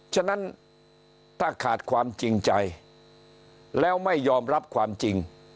ฉะนั้นถ้าขาดความจริงใจแล้วไม่ยอมรับความจริง